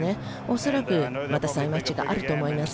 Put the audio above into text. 恐らくまたマッチがあると思います。